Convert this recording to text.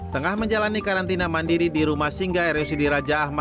tengah menjalani karantina mandiri di rumah singgah reo sidi raja ahmad